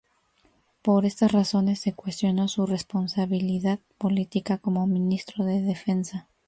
Por estas razones se cuestionó su "responsabilidad política" como Ministro de Defensa.